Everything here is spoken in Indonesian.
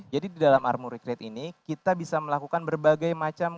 jadi di dalam armoury crate ini kita bisa melakukan berbagai macam